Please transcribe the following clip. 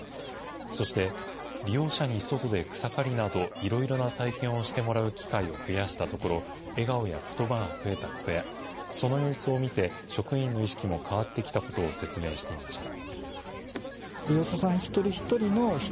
そして、利用者に外で草刈りなど、いろいろな体験をしてもらう機会を増やしたところ、笑顔やことばが増えたことや、その様子を見て、職員の意識も変わってきたことを説明していました。